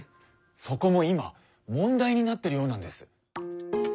そこも今問題になってるようなんです。